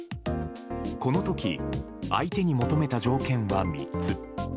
この時、相手に求めた条件は３つ。